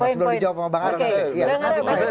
mas iloh dijawab sama bang arang